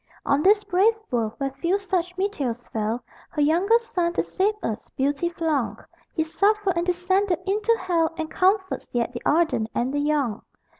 On this brave world, where few such meteors fell, Her youngest son, to save us, Beauty flung. He suffered and descended into hell And comforts yet the ardent and the young.